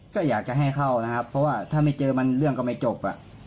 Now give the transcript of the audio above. ก็อยากจะให้เข้านะครับเพราะว่าถ้าไม่เจอมันเรื่องก็ไม่จบ